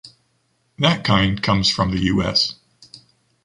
That kind comes from the US.